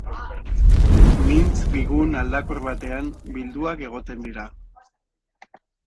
Mintz bigun aldakor batean bilduak egoten dira.